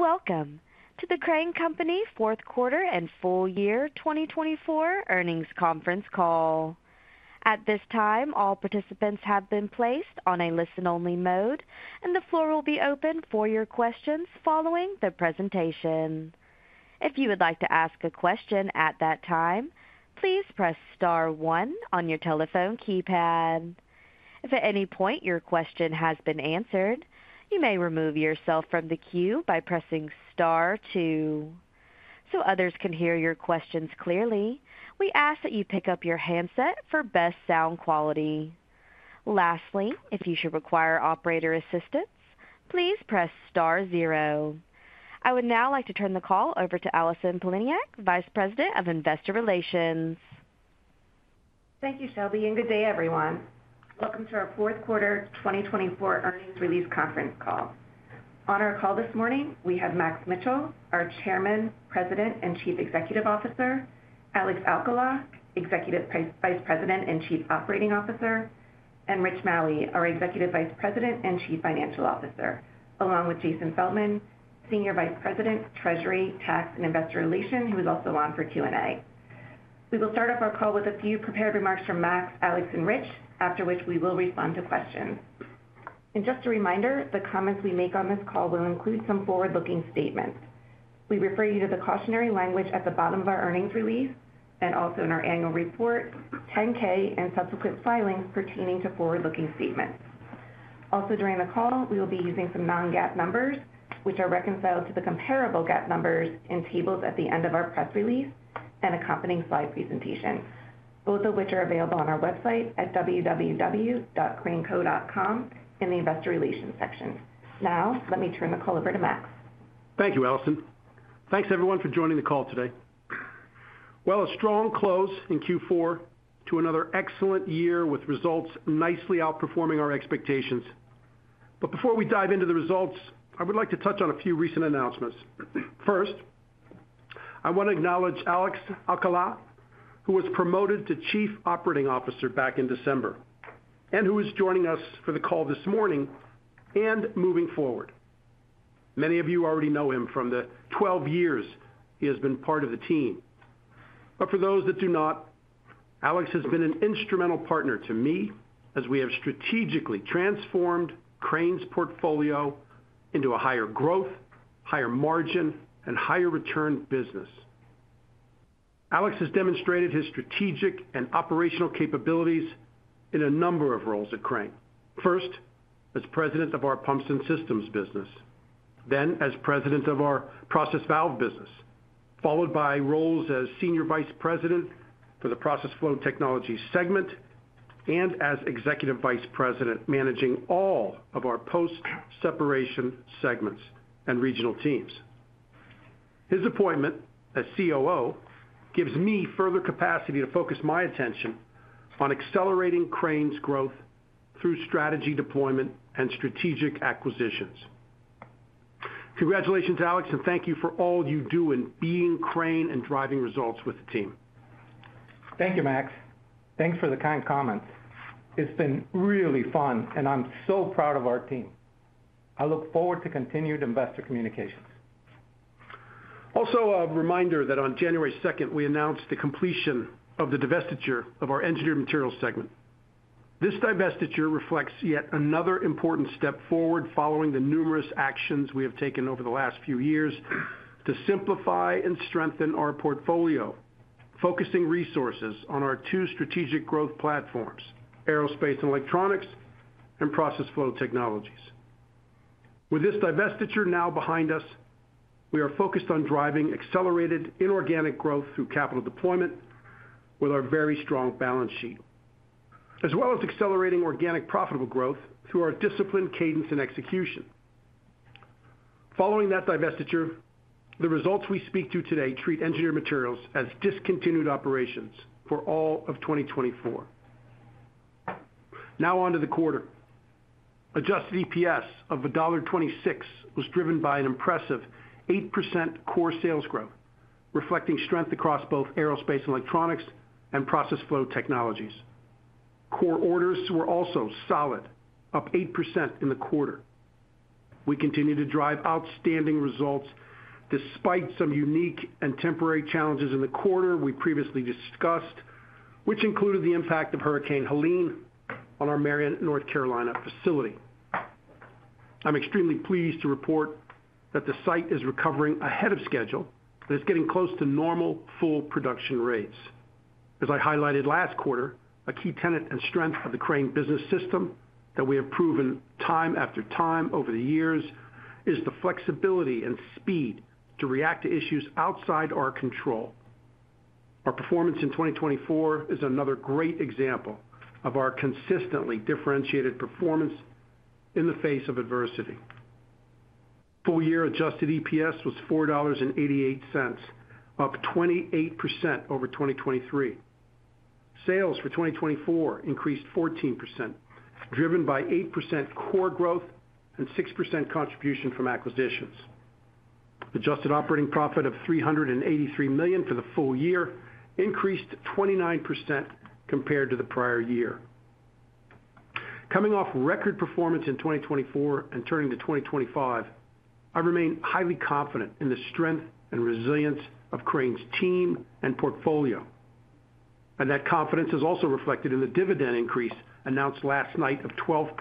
Welcome to the Crane Company Fourth Quarter and Full Year 2024 Earnings Conference Call. At this time, all participants have been placed on a listen-only mode, and the floor will be open for your questions following the presentation. If you would like to ask a question at that time, please press star one on your telephone keypad. If at any point your question has been answered, you may remove yourself from the queue by pressing star two. So others can hear your questions clearly, we ask that you pick up your handset for best sound quality. Lastly, if you should require operator assistance, please press star zero. I would now like to turn the call over to Allison Poliniak, Vice President of Investor Relations. Thank you, Shelby. And good day, everyone. Welcome to our Fourth Quarter 2024 Earnings Release Conference Call. On our call this morning, we have Max Mitchell, our Chairman, President, and Chief Executive Officer, Alex Alcala, Executive Vice President and Chief Operating Officer, and Rich Maue, our Executive Vice President and Chief Financial Officer, along with Jason Feldman, Senior Vice President, Treasury, Tax, and Investor Relations, who is also on for Q&A. We will start off our call with a few prepared remarks from Max, Alex, and Rich, after which we will respond to questions. And just a reminder, the comments we make on this call will include some forward-looking statements. We refer you to the cautionary language at the bottom of our earnings release and also in our annual report, 10-K and subsequent filings pertaining to forward-looking statements. Also, during the call, we will be using some non-GAAP numbers, which are reconciled to the comparable GAAP numbers in tables at the end of our press release and accompanying slide presentation, both of which are available on our website at www.craneco.com in the Investor Relations section. Now, let me turn the call over to Max. Thank you, Allison. Thanks, everyone, for joining the call today. Well, a strong close in Q4 to another excellent year with results nicely outperforming our expectations. But before we dive into the results, I would like to touch on a few recent announcements. First, I want to acknowledge Alex Alcala, who was promoted to Chief Operating Officer back in December and who is joining us for the call this morning and moving forward. Many of you already know him from the 12 years he has been part of the team. But for those that do not, Alex has been an instrumental partner to me as we have strategically transformed Crane's portfolio into a higher growth, higher margin, and higher return business. Alex has demonstrated his strategic and operational capabilities in a number of roles at Crane. First, as President of our pumps and systems business, then as President of our process valve business, followed by roles as Senior Vice President for the process flow technology segment and as Executive Vice President managing all of our post-separation segments and regional teams. His appointment as COO gives me further capacity to focus my attention on accelerating Crane's growth through strategy deployment and strategic acquisitions. Congratulations, Alex, and thank you for all you do in being Crane and driving results with the team. Thank you, Max. Thanks for the kind comments. It's been really fun, and I'm so proud of our team. I look forward to continued investor communications. Also, a reminder that on January 2nd, we announced the completion of the divestiture of our Engineered Materials segment. This divestiture reflects yet another important step forward following the numerous actions we have taken over the last few years to simplify and strengthen our portfolio, focusing resources on our two strategic growth platforms, Aerospace and Electronics, and Process Flow Technologies. With this divestiture now behind us, we are focused on driving accelerated inorganic growth through capital deployment with our very strong balance sheet, as well as accelerating organic profitable growth through our discipline, cadence, and execution. Following that divestiture, the results we speak to today treat Engineered Materials as discontinued operations for all of 2024. Now, on to the quarter. Adjusted EPS of $1.26 was driven by an impressive 8% core sales growth, reflecting strength across both Aerospace and Electronics and Process Flow Technologies. Core orders were also solid, up 8% in the quarter. We continue to drive outstanding results despite some unique and temporary challenges in the quarter we previously discussed, which included the impact of Hurricane Helene on our Marion, North Carolina, facility. I'm extremely pleased to report that the site is recovering ahead of schedule and is getting close to normal full production rates. As I highlighted last quarter, a key tenet and strength of the Crane business system that we have proven time after time over the years is the flexibility and speed to react to issues outside our control. Our performance in 2024 is another great example of our consistently differentiated performance in the face of adversity. Full year Adjusted EPS was $4.88, up 28% over 2023. Sales for 2024 increased 14%, driven by 8% core growth and 6% contribution from acquisitions. Adjusted operating profit of $383 million for the full year increased 29% compared to the prior year. Coming off record performance in 2024 and turning to 2025, I remain highly confident in the strength and resilience of Crane's team and portfolio, and that confidence is also reflected in the dividend increase announced last night of 12%.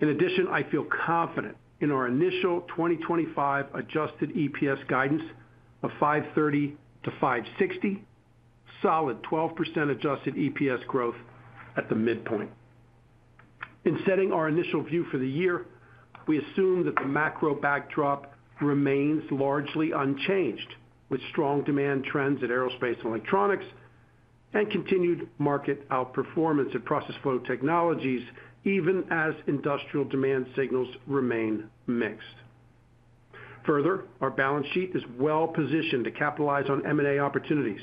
In addition, I feel confident in our initial 2025 adjusted EPS guidance of $530-$560, solid 12% adjusted EPS growth at the midpoint. In setting our initial view for the year, we assume that the macro backdrop remains largely unchanged, with strong demand trends in Aerospace and Electronics and continued market outperformance in Process Flow Technologies, even as industrial demand signals remain mixed. Further, our balance sheet is well-positioned to capitalize on M&A opportunities.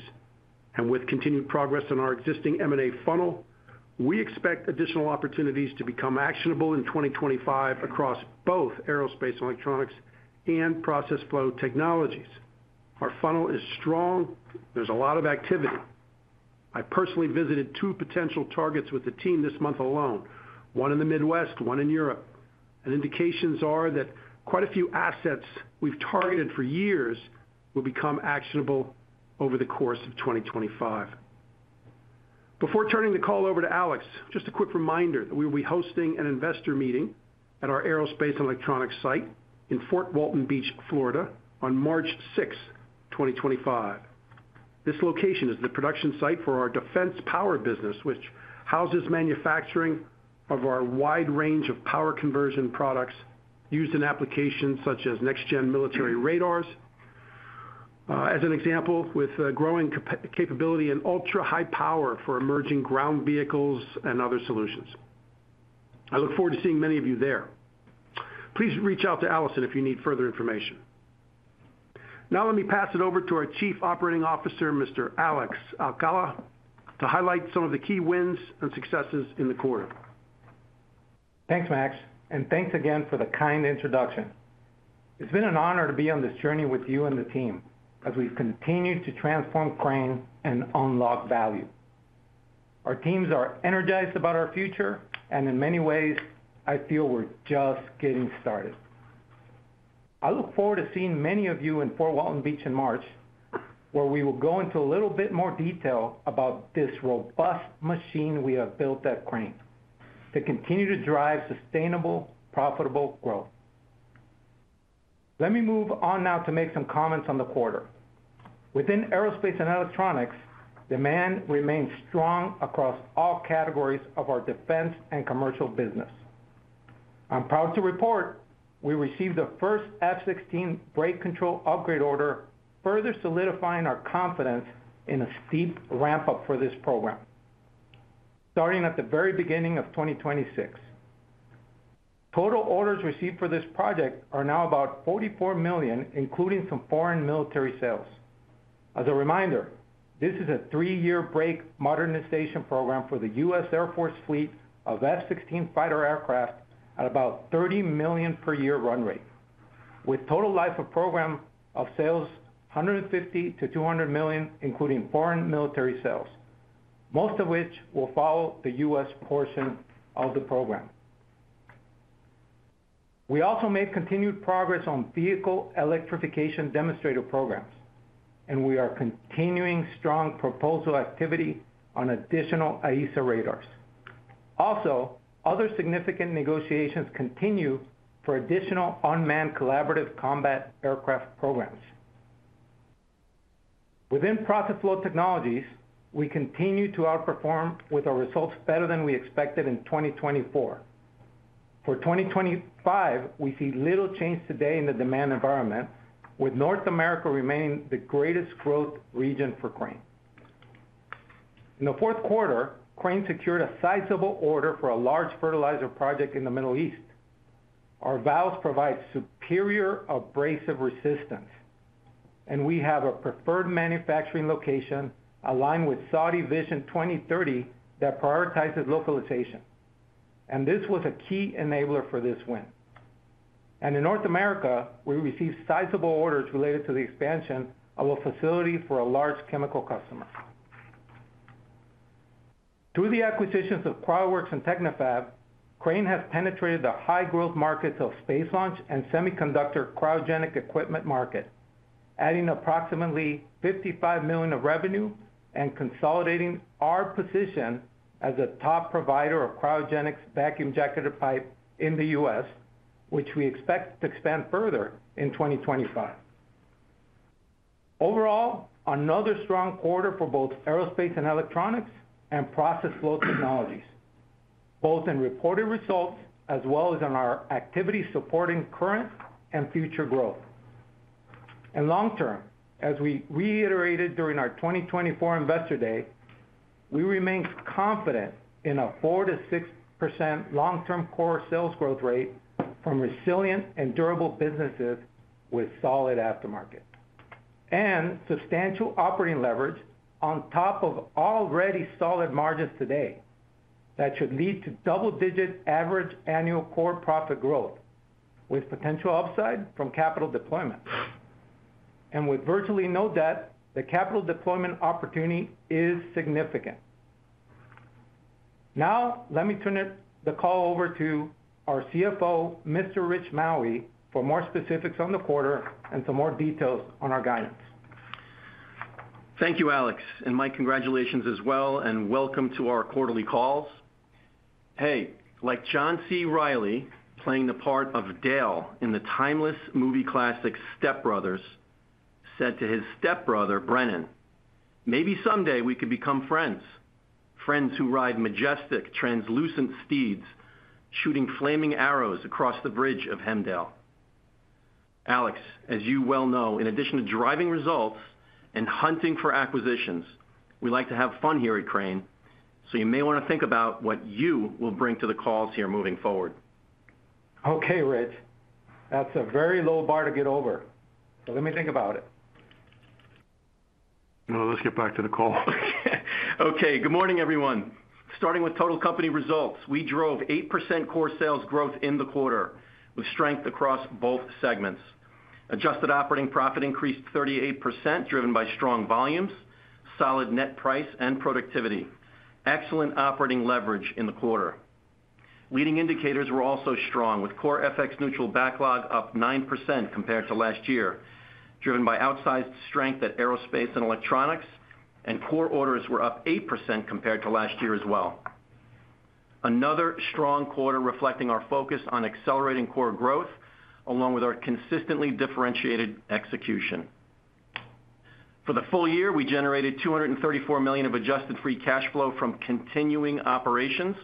With continued progress in our existing M&A funnel, we expect additional opportunities to become actionable in 2025 across both Aerospace & Electronics and Process Flow Technologies. Our funnel is strong. There's a lot of activity. I personally visited two potential targets with the team this month alone, one in the Midwest, one in Europe. Indications are that quite a few assets we've targeted for years will become actionable over the course of 2025. Before turning the call over to Alex, just a quick reminder that we will be hosting an investor meeting at our Aerospace & Electronics site in Fort Walton Beach, Florida, on March 6th, 2025. This location is the production site for our defense power business, which houses manufacturing of our wide range of power conversion products used in applications such as next-gen military radars, as an example, with growing capability in ultra-high power for emerging ground vehicles and other solutions. I look forward to seeing many of you there. Please reach out to Allison if you need further information. Now, let me pass it over to our Chief Operating Officer, Mr. Alex Alcala, to highlight some of the key wins and successes in the quarter. Thanks, Max, and thanks again for the kind introduction. It's been an honor to be on this journey with you and the team as we've continued to transform Crane and unlock value. Our teams are energized about our future, and in many ways, I feel we're just getting started. I look forward to seeing many of you in Fort Walton Beach in March, where we will go into a little bit more detail about this robust machine we have built at Crane to continue to drive sustainable, profitable growth. Let me move on now to make some comments on the quarter. Within Aerospace and Electronics, demand remains strong across all categories of our defense and commercial business. I'm proud to report we received the first F-16 brake control upgrade order, further solidifying our confidence in a steep ramp-up for this program starting at the very beginning of 2026. Total orders received for this project are now about $44 million, including some foreign military sales. As a reminder, this is a three-year brake modernization program for the U.S. Air Force fleet of F-16 fighter aircraft at about $30 million per year run rate, with total life of program of sales $150-$200 million, including foreign military sales, most of which will follow the U.S. portion of the program. We also made continued progress on vehicle electrification demonstrator programs, and we are continuing strong proposal activity on additional AESA radars. Also, other significant negotiations continue for additional unmanned collaborative combat aircraft programs. Within Process Flow Technologies, we continue to outperform with our results better than we expected in 2024. For 2025, we see little change today in the demand environment, with North America remaining the greatest growth region for Crane. In the fourth quarter, Crane secured a sizable order for a large fertilizer project in the Middle East. Our valves provide superior abrasive resistance, and we have a preferred manufacturing location aligned with Saudi Vision 2030 that prioritizes localization. And this was a key enabler for this win. And in North America, we received sizable orders related to the expansion of a facility for a large chemical customer. Through the acquisitions of CryoWorks and Technifab, Crane has penetrated the high-growth markets of space launch and semiconductor cryogenic equipment market, adding approximately $55 million of revenue and consolidating our position as a top provider of cryogenics vacuum jacketed pipe in the U.S., which we expect to expand further in 2025. Overall, another strong quarter for both Aerospace and Electronics and Process Flow Technologies, both in reported results as well as in our activity supporting current and future growth. Long-term, as we reiterated during our 2024 investor day, we remain confident in a 4%-6% long-term core sales growth rate from resilient and durable businesses with solid aftermarket and substantial operating leverage on top of already solid margins today that should lead to double-digit average annual core profit growth with potential upside from capital deployment. With virtually no debt, the capital deployment opportunity is significant. Now, let me turn the call over to our CFO, Mr. Rich Maue, for more specifics on the quarter and some more details on our guidance. Thank you, Alex, and my congratulations as well, and welcome to our quarterly calls. Hey, like John C. Reilly, playing the part of Dale in the timeless movie classic Step Brothers, said to his stepbrother, Brennan, "Maybe someday we could become friends, friends who ride majestic, translucent steeds shooting flaming arrows across the bridge of Hemdale." Alex, as you well know, in addition to driving results and hunting for acquisitions, we like to have fun here at Crane, so you may want to think about what you will bring to the calls here moving forward. Okay, Rich. That's a very low bar to get over. But let me think about it. Let's get back to the call. Okay. Good morning, everyone. Starting with total company results, we drove 8% core sales growth in the quarter with strength across both segments. Adjusted operating profit increased 38%, driven by strong volumes, solid net price, and productivity. Excellent operating leverage in the quarter. Leading indicators were also strong, with core FX neutral backlog up 9% compared to last year, driven by outsized strength at Aerospace and Electronics, and core orders were up 8% compared to last year as well. Another strong quarter reflecting our focus on accelerating core growth, along with our consistently differentiated execution. For the full year, we generated $234 million of adjusted free cash flow from continuing operations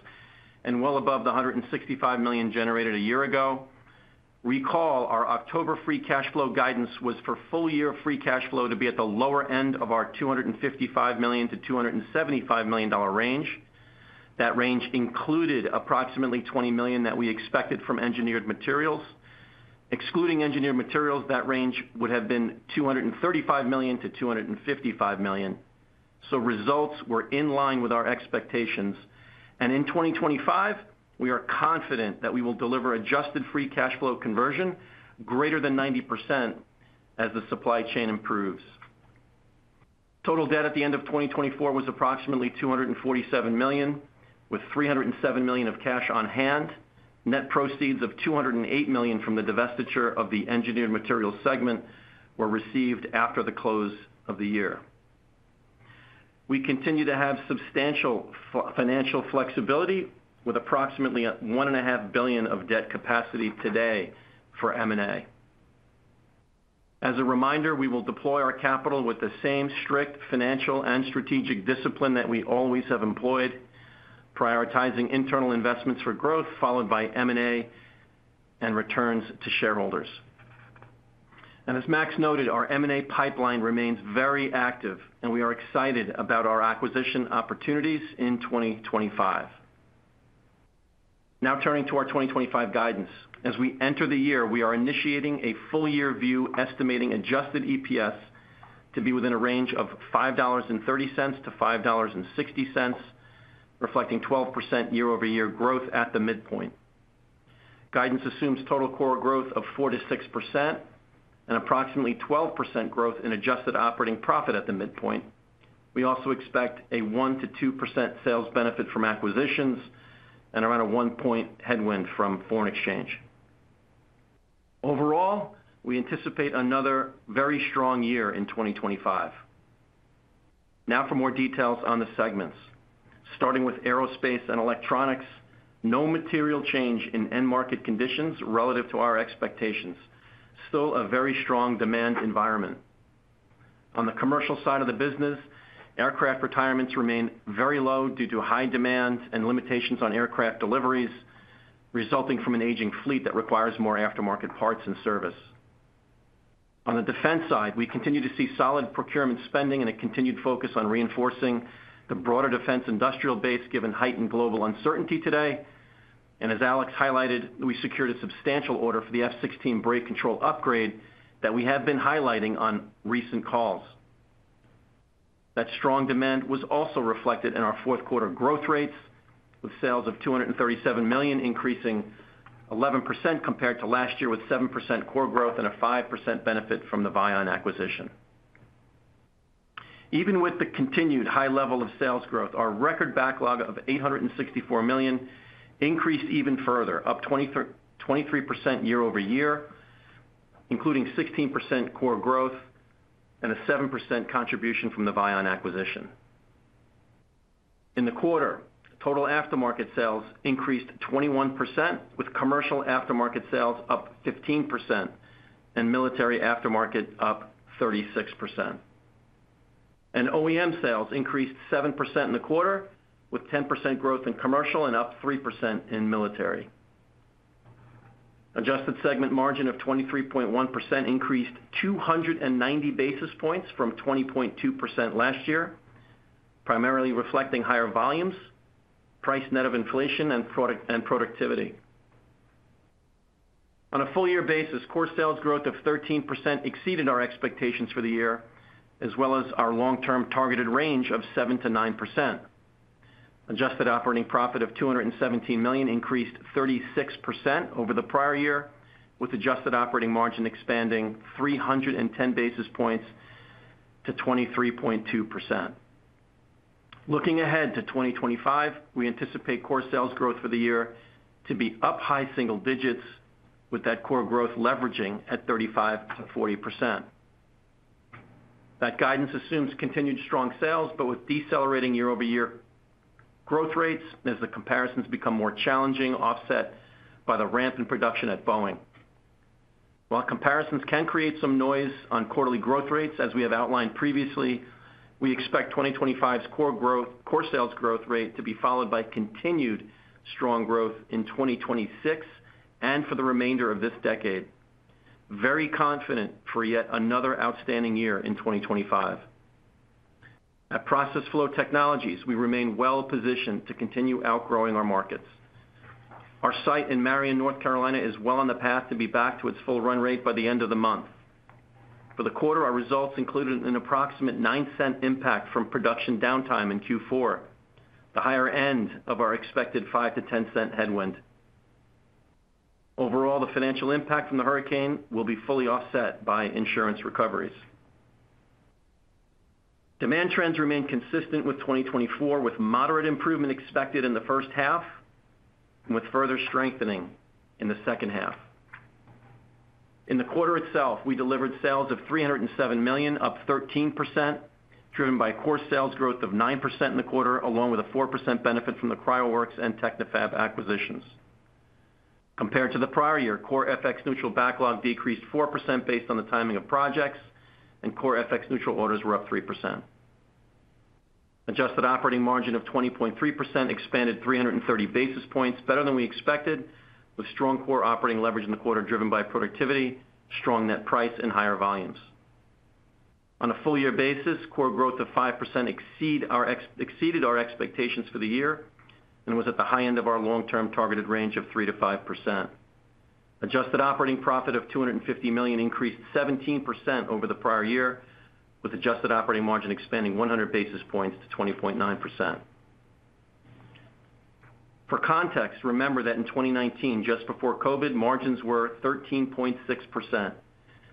and well above the $165 million generated a year ago. Recall our October free cash flow guidance was for full year free cash flow to be at the lower end of our $255 million-$275 million range. That range included approximately $20 million that we expected from Engineered Materials. Excluding Engineered Materials, that range would have been $235 million-$255 million. So results were in line with our expectations. And in 2025, we are confident that we will deliver adjusted free cash flow conversion greater than 90% as the supply chain improves. Total debt at the end of 2024 was approximately $247 million, with $307 million of cash on hand. Net proceeds of $208 million from the divestiture of the Engineered Materials segment were received after the close of the year. We continue to have substantial financial flexibility with approximately $1.5 billion of debt capacity today for M&A. As a reminder, we will deploy our capital with the same strict financial and strategic discipline that we always have employed, prioritizing internal investments for growth, followed by M&A and returns to shareholders. As Max noted, our M&A pipeline remains very active, and we are excited about our acquisition opportunities in 2025. Now, turning to our 2025 guidance, as we enter the year, we are initiating a full-year view estimating adjusted EPS to be within a range of $5.30-$5.60, reflecting 12% year-over-year growth at the midpoint. Guidance assumes total core growth of 4%-6% and approximately 12% growth in adjusted operating profit at the midpoint. We also expect a 1%-2% sales benefit from acquisitions and around a 1-point headwind from foreign exchange. Overall, we anticipate another very strong year in 2025. Now, for more details on the segments, starting with Aerospace and Electronics, no material change in end market conditions relative to our expectations. Still a very strong demand environment. On the commercial side of the business, aircraft retirements remain very low due to high demand and limitations on aircraft deliveries, resulting from an aging fleet that requires more aftermarket parts and service. On the defense side, we continue to see solid procurement spending and a continued focus on reinforcing the broader defense industrial base given heightened global uncertainty today. And as Alex highlighted, we secured a substantial order for the F-16 brake control upgrade that we have been highlighting on recent calls. That strong demand was also reflected in our fourth quarter growth rates, with sales of $237 million increasing 11% compared to last year with 7% core growth and a 5% benefit from the Vian acquisition. Even with the continued high level of sales growth, our record backlog of $864 million increased even further, up 23% year-over-year, including 16% core growth and a 7% contribution from the Vian acquisition. In the quarter, total aftermarket sales increased 21%, with commercial aftermarket sales up 15% and military aftermarket up 36%. And OEM sales increased 7% in the quarter, with 10% growth in commercial and up 3% in military. Adjusted segment margin of 23.1% increased 290 basis points from 20.2% last year, primarily reflecting higher volumes, price net of inflation, and productivity. On a full-year basis, core sales growth of 13% exceeded our expectations for the year, as well as our long-term targeted range of 7%-9%. Adjusted operating profit of $217 million increased 36% over the prior year, with adjusted operating margin expanding 310 basis points to 23.2%. Looking ahead to 2025, we anticipate core sales growth for the year to be up high single digits, with that core growth leveraging at 35%-40%. That guidance assumes continued strong sales, but with decelerating year-over-year growth rates as the comparisons become more challenging, offset by the ramp in production at Boeing. While comparisons can create some noise on quarterly growth rates, as we have outlined previously, we expect 2025's core sales growth rate to be followed by continued strong growth in 2026 and for the remainder of this decade. Very confident for yet another outstanding year in 2025. At Process Flow Technologies, we remain well-positioned to continue outgrowing our markets. Our site in Marion, North Carolina, is well on the path to be back to its full run rate by the end of the month. For the quarter, our results included an approximate 9% impact from production downtime in Q4, the higher end of our expected 5%-10% headwind. Overall, the financial impact from the hurricane will be fully offset by insurance recoveries. Demand trends remain consistent with 2024, with moderate improvement expected in the first half and with further strengthening in the second half. In the quarter itself, we delivered sales of $307 million, up 13%, driven by core sales growth of 9% in the quarter, along with a 4% benefit from the CryoWorks and Technifab acquisitions. Compared to the prior year, core FX neutral backlog decreased 4% based on the timing of projects, and core FX neutral orders were up 3%. Adjusted operating margin of 20.3% expanded 330 basis points, better than we expected, with strong core operating leverage in the quarter driven by productivity, strong net price, and higher volumes. On a full-year basis, core growth of 5% exceeded our expectations for the year and was at the high end of our long-term targeted range of 3%-5%. Adjusted operating profit of $250 million increased 17% over the prior year, with adjusted operating margin expanding 100 basis points to 20.9%. For context, remember that in 2019, just before COVID, margins were 13.6%.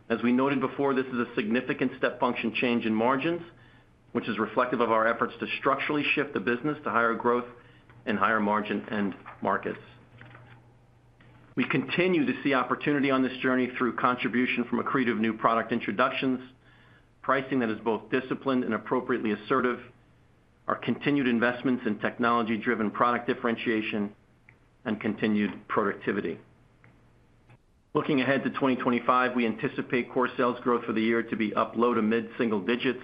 As we noted before, this is a significant step function change in margins, which is reflective of our efforts to structurally shift the business to higher growth and higher margin end markets. We continue to see opportunity on this journey through contribution from accretive new product introductions, pricing that is both disciplined and appropriately assertive, our continued investments in technology-driven product differentiation, and continued productivity. Looking ahead to 2025, we anticipate core sales growth for the year to be up low to mid-single digits,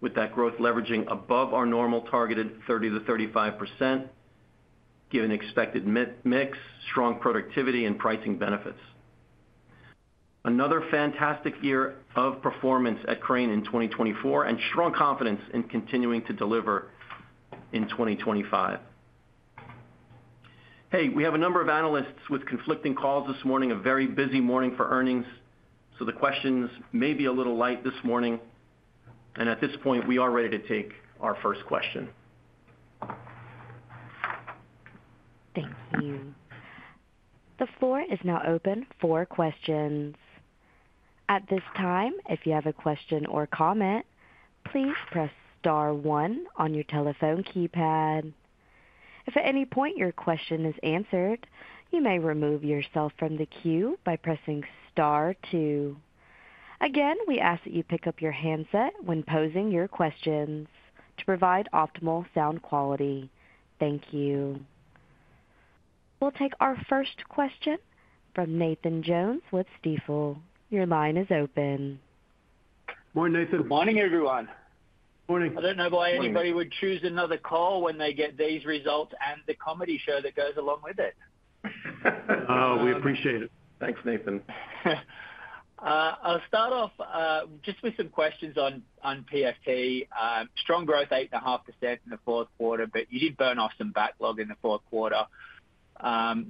with that growth leveraging above our normal targeted 30%-35%, given expected mix, strong productivity, and pricing benefits. Another fantastic year of performance at Crane in 2024 and strong confidence in continuing to deliver in 2025. Hey, we have a number of analysts with conflicting calls this morning. A very busy morning for earnings, so the questions may be a little light this morning. And at this point, we are ready to take our first question. Thank you. The floor is now open for questions. At this time, if you have a question or comment, please press Star 1 on your telephone keypad. If at any point your question is answered, you may remove yourself from the queue by pressing Star 2. Again, we ask that you pick up your handset when posing your questions to provide optimal sound quality. Thank you. We'll take our first question from Nathan Jones with Stifel. Your line is open. Morning, Nathan. Morning, everyone. Morning. I don't know why anybody would choose another call when they get these results and the comedy show that goes along with it. Oh, we appreciate it. Thanks, Nathan. I'll start off just with some questions on PFT. Strong growth, 8.5% in the fourth quarter, but you did burn off some backlog in the fourth quarter,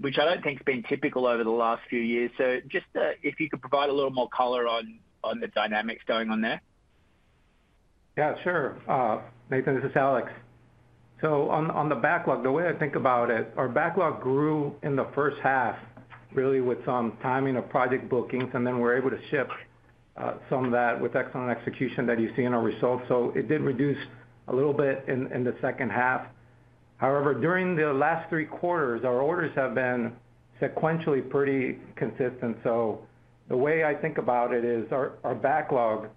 which I don't think has been typical over the last few years. So just if you could provide a little more color on the dynamics going on there. Yeah, sure. Nathan, this is Alex. So on the backlog, the way I think about it, our backlog grew in the first half really with some timing of project bookings, and then we were able to ship some of that with excellent execution that you see in our results. So it did reduce a little bit in the second half. However, during the last three quarters, our orders have been sequentially pretty consistent. So the way I think about it is our backlog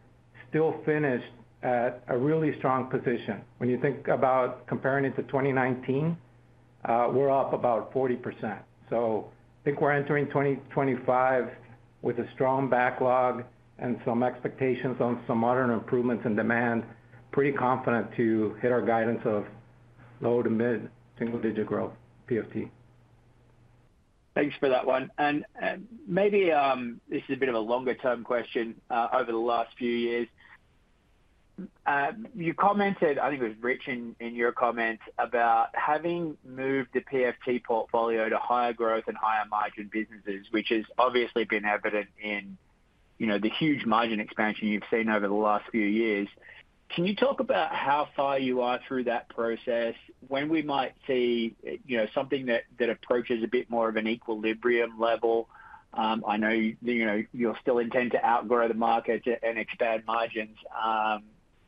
still finished at a really strong position. When you think about comparing it to 2019, we're up about 40%. So I think we're entering 2025 with a strong backlog and some expectations on some modest improvements in demand, pretty confident to hit our guidance of low- to mid-single-digit growth PFT. Thanks for that one, and maybe this is a bit of a longer-term question over the last few years. You commented, I think it was Rich in your comment, about having moved the PFT portfolio to higher growth and higher margin businesses, which has obviously been evident in the huge margin expansion you've seen over the last few years. Can you talk about how far you are through that process when we might see something that approaches a bit more of an equilibrium level? I know you'll still intend to outgrow the market and expand margins,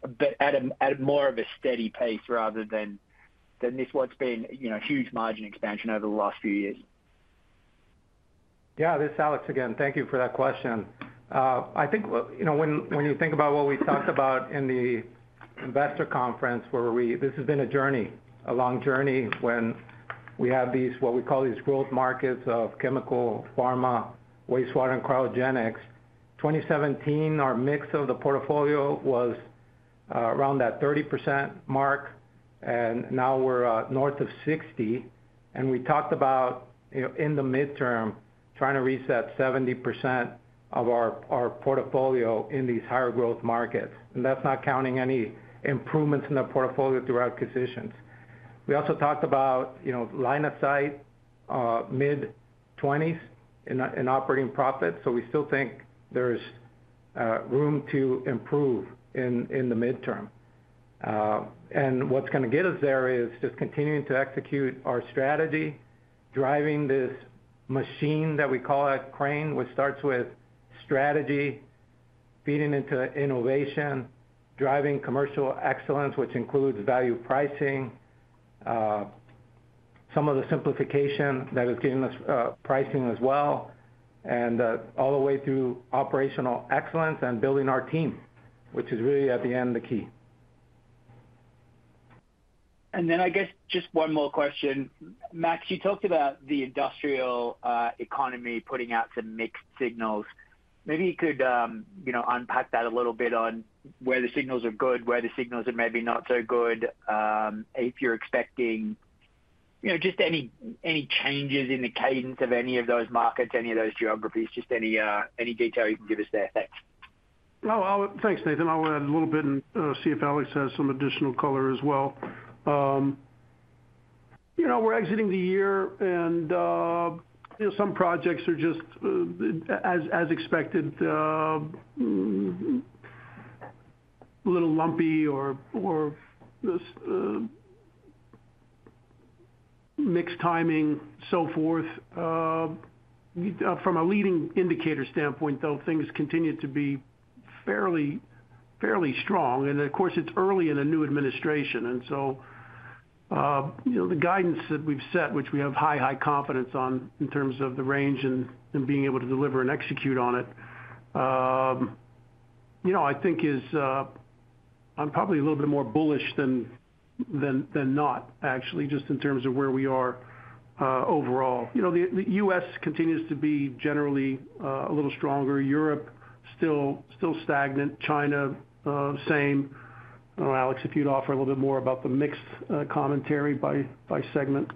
but at more of a steady pace rather than this what's been a huge margin expansion over the last few years. Yeah, this is Alex again. Thank you for that question. I think when you think about what we talked about in the investor conference, this has been a journey, a long journey when we have what we call these growth markets of chemical, pharma, wastewater, and cryogenics. In 2017, our mix of the portfolio was around that 30% mark, and now we're north of 60%. And we talked about in the midterm trying to reset 70% of our portfolio in these higher growth markets, and that's not counting any improvements in the portfolio through acquisitions. We also talked about line of sight, mid-20s in operating profits, so we still think there's room to improve in the midterm. What's going to get us there is just continuing to execute our strategy, driving this machine that we call a crane, which starts with strategy, feeding into innovation, driving commercial excellence, which includes value pricing, some of the simplification that is getting us pricing as well, and all the way through operational excellence and building our team, which is really at the end the key. And then I guess just one more question. Max, you talked about the industrial economy putting out some mixed signals. Maybe you could unpack that a little bit on where the signals are good, where the signals are maybe not so good, if you're expecting just any changes in the cadence of any of those markets, any of those geographies, just any detail you can give us there. Thanks. Thanks, Nathan. I'll add a little bit and see if Alex has some additional color as well. We're exiting the year, and some projects are just, as expected, a little lumpy or mixed timing, so forth. From a leading indicator standpoint, though, things continue to be fairly strong. And of course, it's early in a new administration. And so the guidance that we've set, which we have high, high confidence on in terms of the range and being able to deliver and execute on it, I think I'm probably a little bit more bullish than not, actually, just in terms of where we are overall. The U.S. continues to be generally a little stronger. Europe still stagnant. China, same. Alex, if you'd offer a little bit more about the mixed commentary by segment.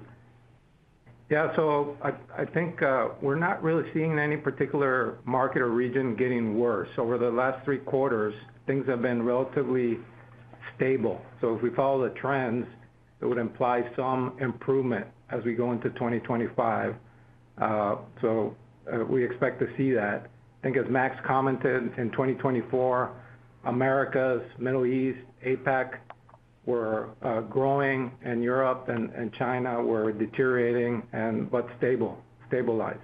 Yeah. So I think we're not really seeing any particular market or region getting worse. Over the last three quarters, things have been relatively stable. So if we follow the trends, it would imply some improvement as we go into 2025. So we expect to see that. I think as Max commented, in 2024, Americas, Middle East, APAC were growing, and Europe and China were deteriorating but stabilized.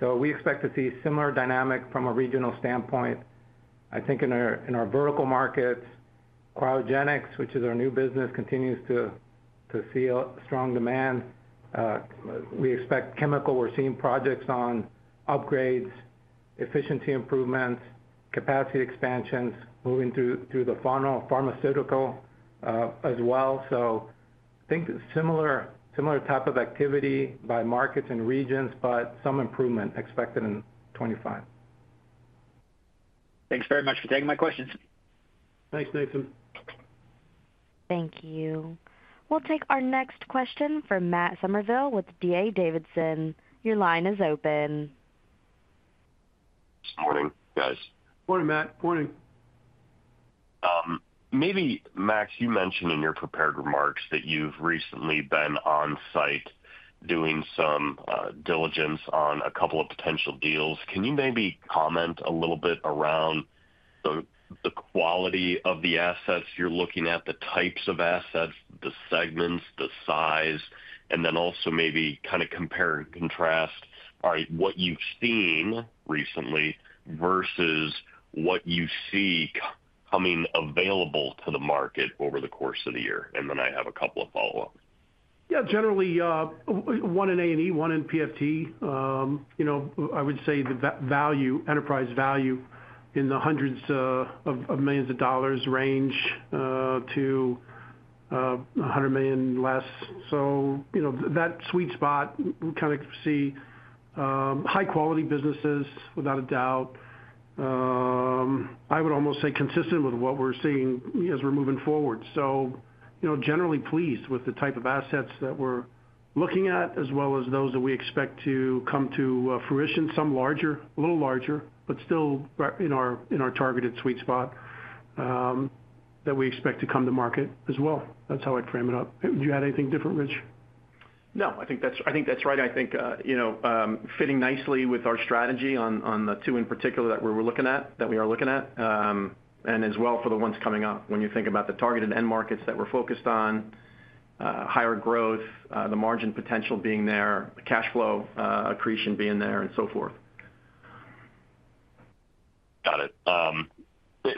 So we expect to see a similar dynamic from a regional standpoint. I think in our vertical markets, Cryogenics, which is our new business, continues to see strong demand. We expect chemical. We're seeing projects on upgrades, efficiency improvements, capacity expansions moving through the pharmaceutical as well. So I think similar type of activity by markets and regions, but some improvement expected in 2025. Thanks very much for taking my questions. Thanks, Nathan. Thank you. We'll take our next question from Matt Somerville with DA Davidson. Your line is open. Good morning, guys. Morning, Matt. Morning. Maybe, Max, you mentioned in your prepared remarks that you've recently been on site doing some diligence on a couple of potential deals. Can you maybe comment a little bit around the quality of the assets? You're looking at the types of assets, the segments, the size, and then also maybe kind of compare and contrast what you've seen recently versus what you see coming available to the market over the course of the year. And then I have a couple of follow-ups. Yeah. Generally, one in A&E, one in PFT. I would say the enterprise value in the hundreds of millions of dollars range to $100 million less. So that sweet spot, we kind of see high-quality businesses without a doubt. I would almost say consistent with what we're seeing as we're moving forward. So generally pleased with the type of assets that we're looking at, as well as those that we expect to come to fruition, some larger, a little larger, but still in our targeted sweet spot that we expect to come to market as well. That's how I'd frame it up. Do you have anything different, Rich? No, I think that's right. I think fitting nicely with our strategy on the two in particular that we're looking at, that we are looking at, and as well for the ones coming up. When you think about the targeted end markets that we're focused on, higher growth, the margin potential being there, cash flow accretion being there, and so forth. Got it.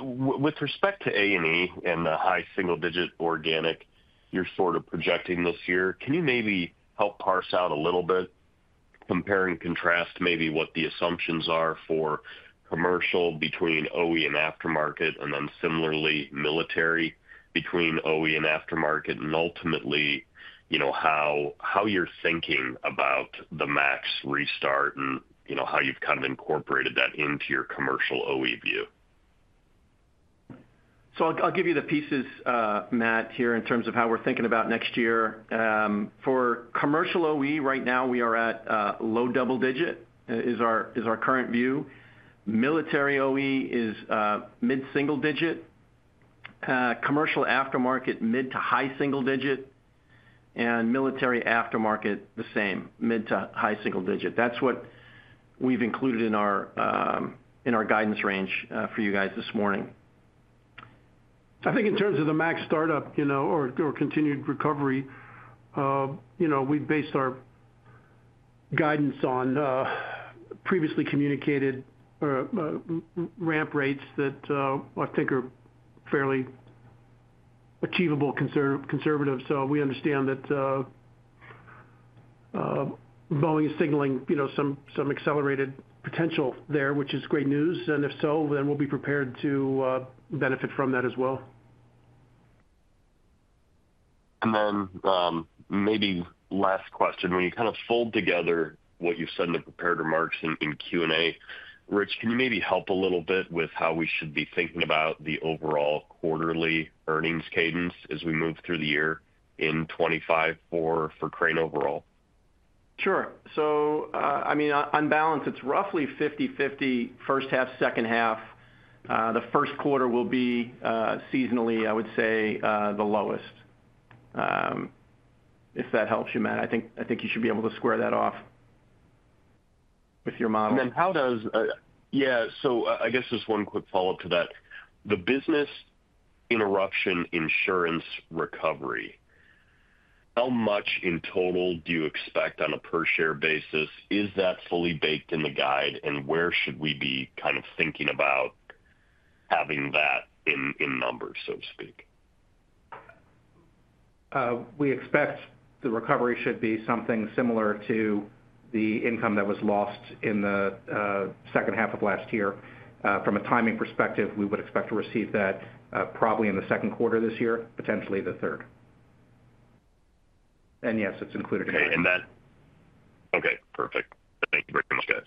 With respect to A&E and the high single-digit organic you're sort of projecting this year, can you maybe help parse out a little bit, compare and contrast maybe what the assumptions are for commercial between OE and aftermarket, and then similarly military between OE and aftermarket, and ultimately how you're thinking about the MAX restart and how you've kind of incorporated that into your commercial OE view? So I'll give you the pieces, Matt, here in terms of how we're thinking about next year. For commercial OE, right now we are at low double-digit is our current view. Military OE is mid-single digit. Commercial aftermarket, mid to high single digit. And military aftermarket, the same, mid to high single digit. That's what we've included in our guidance range for you guys this morning. I think in terms of the MAX startup or continued recovery, we've based our guidance on previously communicated ramp rates that I think are fairly achievable, conservative, so we understand that Boeing is signaling some accelerated potential there, which is great news, and if so, then we'll be prepared to benefit from that as well. And then maybe last question. When you kind of fold together what you've said in the prepared remarks in Q&A, Rich, can you maybe help a little bit with how we should be thinking about the overall quarterly earnings cadence as we move through the year in 2025 for Crane overall? Sure. So I mean, on balance, it's roughly 50/50, first half, second half. The first quarter will be seasonally, I would say, the lowest, if that helps you, Matt. I think you should be able to square that off with your model. And then how does - yeah. So I guess just one quick follow-up to that. The business interruption insurance recovery, how much in total do you expect on a per-share basis? Is that fully baked in the guide? And where should we be kind of thinking about having that in numbers, so to speak? We expect the recovery should be something similar to the income that was lost in the second half of last year. From a timing perspective, we would expect to receive that probably in the second quarter of this year, potentially the third. And yes, it's included in that. Okay. Perfect. Thank you very much, guys.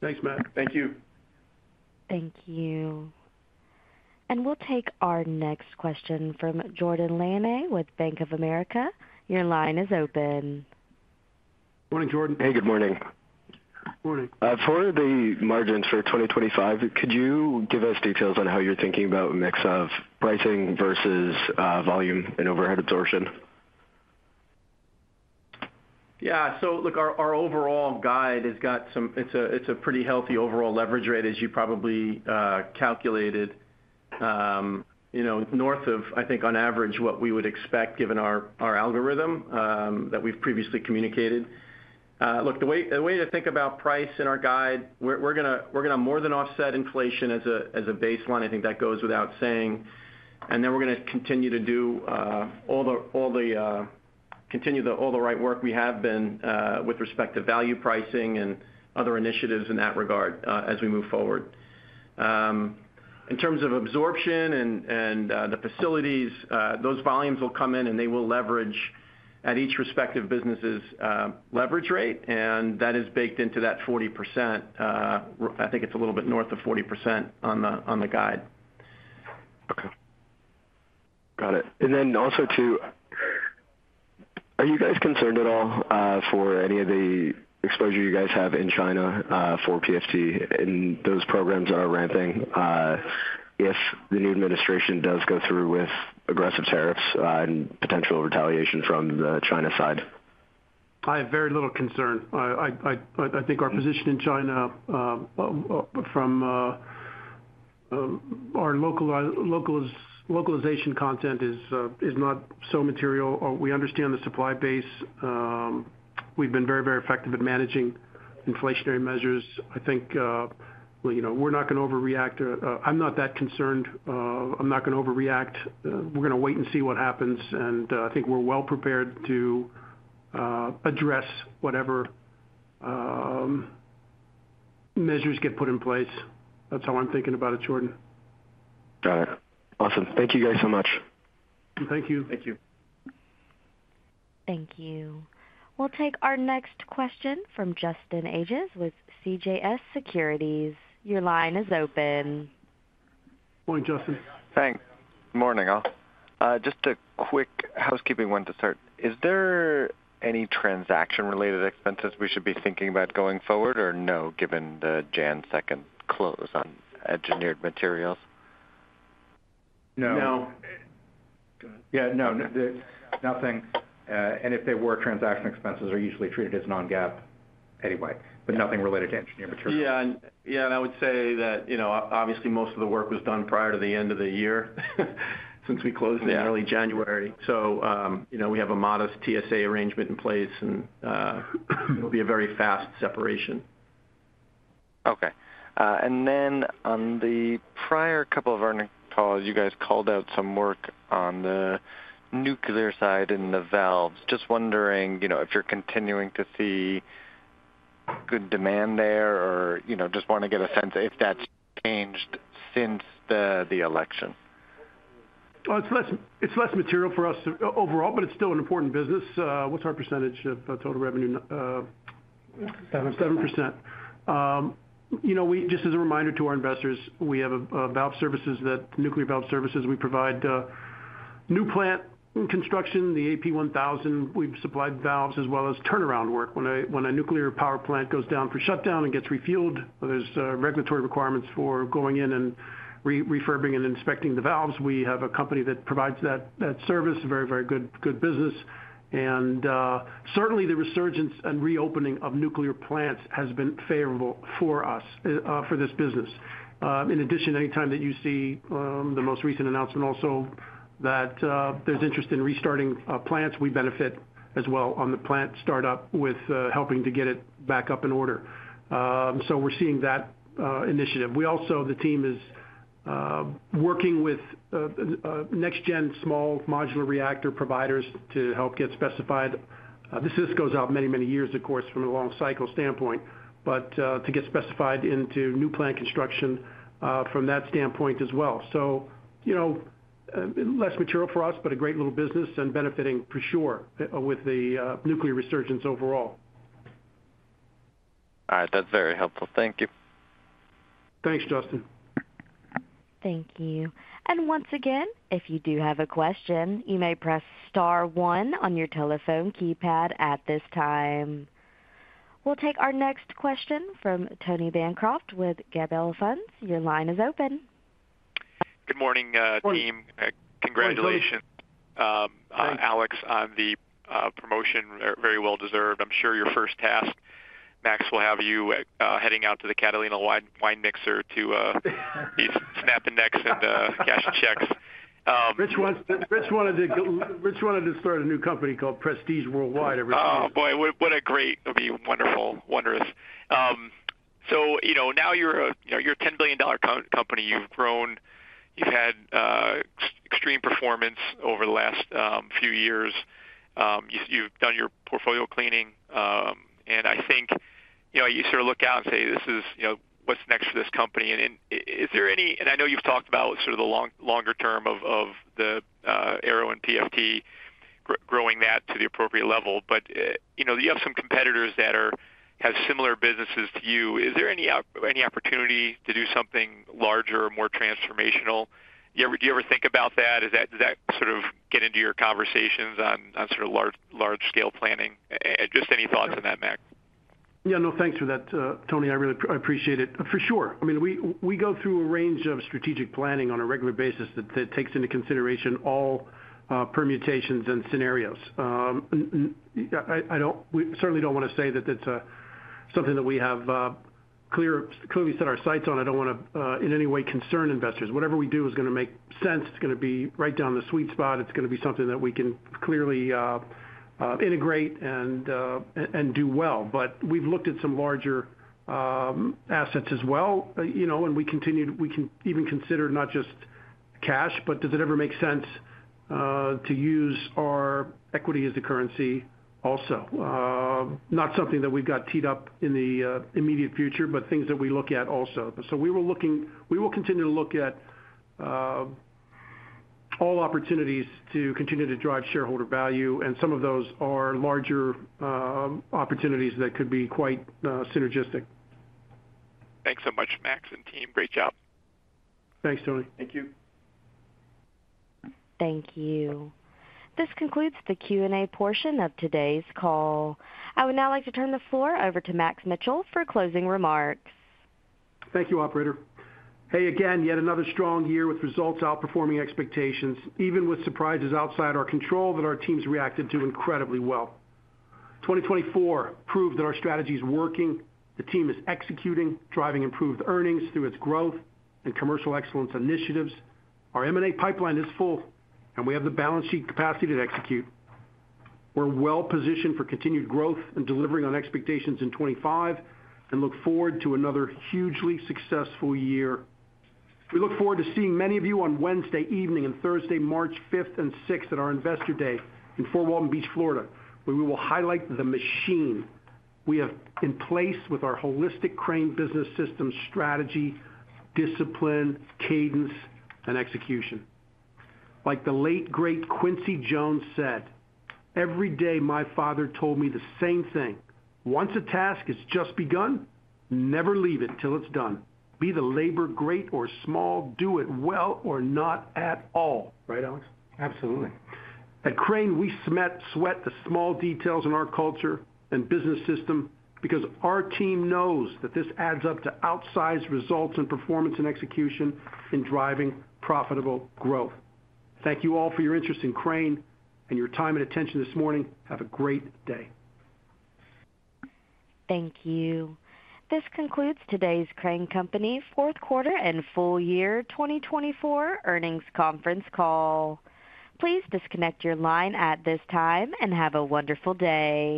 Thanks, Matt. Thank you. Thank you. And we'll take our next question from Jordan Laney with Bank of America. Your line is open. Morning, Jordan. Hey, good morning. Morning. For the margins for 2025, could you give us details on how you're thinking about a mix of pricing versus volume and overhead absorption? Yeah. So look, our overall guide has got some, it's a pretty healthy overall leverage rate, as you probably calculated, north of, I think, on average, what we would expect given our algorithm that we've previously communicated. Look, the way to think about price in our guide, we're going to more than offset inflation as a baseline. I think that goes without saying. And then we're going to continue to do all the right work we have been with respect to value pricing and other initiatives in that regard as we move forward. In terms of absorption and the facilities, those volumes will come in, and they will leverage at each respective business's leverage rate. And that is baked into that 40%. I think it's a little bit north of 40% on the guide. Okay. Got it. And then also too, are you guys concerned at all for any of the exposure you guys have in China for PFT in those programs that are ramping if the new administration does go through with aggressive tariffs and potential retaliation from the China side? I have very little concern. I think our position in China from our localization content is not so material. We understand the supply base. We've been very, very effective at managing inflationary measures. I think we're not going to overreact. I'm not that concerned. I'm not going to overreact. We're going to wait and see what happens. And I think we're well prepared to address whatever measures get put in place. That's how I'm thinking about it, Jordan. Got it. Awesome. Thank you guys so much. Thank you. Thank you. Thank you. We'll take our next question from Justin Ages with CJS Securities. Your line is open. Morning, Justin. Thanks. Good morning, all. Just a quick housekeeping one to start. Is there any transaction-related expenses we should be thinking about going forward or no given the January 2nd close on Engineered Materials? No. No. Yeah. No, nothing. And if they were transaction expenses, they're usually treated as non-GAAP anyway, but nothing related to Engineered Materials. Yeah. Yeah. And I would say that obviously most of the work was done prior to the end of the year since we closed in early January. So we have a modest TSA arrangement in place, and it'll be a very fast separation. Okay. And then on the prior couple of earnings calls, you guys called out some work on the nuclear side and the valves. Just wondering if you're continuing to see good demand there or just want to get a sense if that's changed since the election. It's less material for us overall, but it's still an important business. What's our percentage of total revenue? 7%. Just as a reminder to our investors, we have valve services, the nuclear valve services. We provide new plant construction, the AP1000. We've supplied valves as well as turnaround work. When a nuclear power plant goes down for shutdown and gets refueled, there's regulatory requirements for going in and refurbishing and inspecting the valves. We have a company that provides that service. Very, very good business. And certainly, the resurgence and reopening of nuclear plants has been favorable for us for this business. In addition, anytime that you see the most recent announcement also that there's interest in restarting plants, we benefit as well on the plant startup with helping to get it back up in order. So we're seeing that initiative. We also, the team, is working with next-gen Small Modular Reactor providers to help get specified. This goes out many, many years, of course, from a long cycle standpoint, but to get specified into new plant construction from that standpoint as well. So less material for us, but a great little business and benefiting for sure with the nuclear resurgence overall. All right. That's very helpful. Thank you. Thanks, Justin. Thank you. And once again, if you do have a question, you may press star one on your telephone keypad at this time. We'll take our next question from Tony Bancroft with Gabelli Funds. Your line is open. Good morning, team. Congratulations, Alex, on the promotion. Very well deserved. I'm sure your first task, Max, will have you heading out to the Catalina wine mixer to be snapping necks and cashing checks. Rich wanted to start a new company called Prestige Worldwide every few years. Oh, boy. What a great. It'll be wonderful, wondrous. So now you're a $10 billion company. You've grown. You've had extreme performance over the last few years. You've done your portfolio cleaning. And I think you sort of look out and say, "This is what's next for this company." I know you've talked about sort of the longer term of the Aero and PFT, growing that to the appropriate level, but you have some competitors that have similar businesses to you. Is there any opportunity to do something larger, more transformational? Do you ever think about that? Does that sort of get into your conversations on sort of large-scale planning? Just any thoughts on that, Max? Yeah. No, thanks for that, Tony. I really appreciate it. For sure. I mean, we go through a range of strategic planning on a regular basis that takes into consideration all permutations and scenarios. I certainly don't want to say that it's something that we have clearly set our sights on. I don't want to in any way concern investors. Whatever we do is going to make sense. It's going to be right down the sweet spot. It's going to be something that we can clearly integrate and do well. But we've looked at some larger assets as well. And we can even consider not just cash, but does it ever make sense to use our equity as a currency also? Not something that we've got teed up in the immediate future, but things that we look at also. So we will continue to look at all opportunities to continue to drive shareholder value. And some of those are larger opportunities that could be quite synergistic. Thanks so much, Max and team. Great job. Thanks, Tony. Thank you. Thank you. This concludes the Q&A portion of today's call. I would now like to turn the floor over to Max Mitchell for closing remarks. Thank you, Operator. Hey, again, yet another strong year with results outperforming expectations, even with surprises outside our control that our teams reacted to incredibly well. 2024 proved that our strategy is working. The team is executing, driving improved earnings through its growth and commercial excellence initiatives. Our M&A pipeline is full, and we have the balance sheet capacity to execute. We're well positioned for continued growth and delivering on expectations in 2025 and look forward to another hugely successful year. We look forward to seeing many of you on Wednesday evening and Thursday, March 5th and 6th, at our investor day in Fort Walton Beach, Florida, where we will highlight the machine we have in place with our holistic Crane business system strategy, discipline, cadence, and execution. Like the late great Quincy Jones said, "Every day, my father told me the same thing. Once a task has just begun, never leave it till it's done. Be the labor, great or small, do it well or not at all." Right, Alex? Absolutely. At Crane, we sweat the small details in our culture and business system because our team knows that this adds up to outsized results and performance and execution in driving profitable growth. Thank you all for your interest in Crane and your time and attention this morning. Have a great day. Thank you. This concludes today's Crane Company Fourth Quarter and Full Year 2024 Earnings Conference Call. Please disconnect your line at this time and have a wonderful day.